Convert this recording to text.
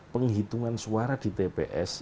penghitungan suara di tps